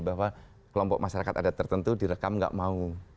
bahwa kelompok masyarakat adat tertentu direkam nggak mau